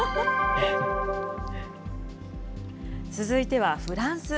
続いてはフランス。